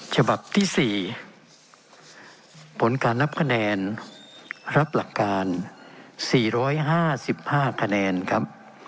ฉบับที่๔ผลการนับคะแนนรับหลักการ๔๕๕คะแนนครับ